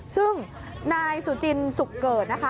ซึ่งนายสุจินสุขเกิดนะคะ